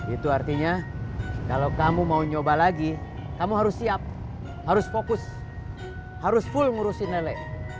itu artinya kalau kamu mau nyoba lagi kamu harus siap harus fokus harus full ngurusin lele